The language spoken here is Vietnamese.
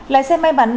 lái xe may mắn